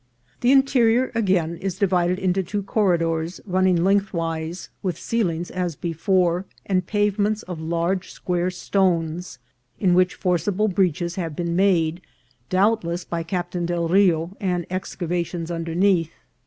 The interior, again, is divided into two corridors run ning lengthwise, with ceilings as before, and pavements of large square stones, in which forcible breaches have been made, doubtless by Captain Del Rio, and exca vations underneath.